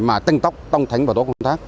mà tăng tốc tăng thánh vào tổ công tác